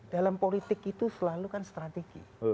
dalam politik itu selalu kan strategi